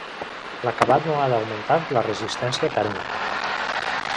L'acabat no ha d'augmentar la resistència tèrmica.